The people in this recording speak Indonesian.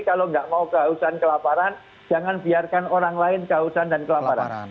kalau nggak mau kehausan kelaparan jangan biarkan orang lain kehausan dan kelaparan